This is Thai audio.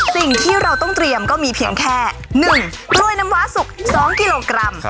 สิ่งที่เราต้องเตรียมก็มีเพียงแค่๑กล้วยน้ำว้าสุก๒กิโลกรัม